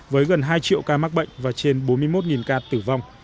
với gần hai triệu ca mắc bệnh và trên bốn mươi một ca tử vong